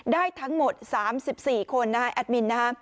ได้ทั้งหมด๓๔คนแอดมิน